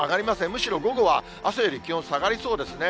むしろ午後は朝より気温下がりそうですね。